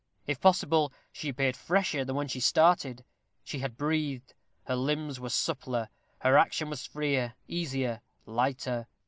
If possible, she appeared fresher than when she started. She had breathed; her limbs were suppler; her action was freer, easier, lighter.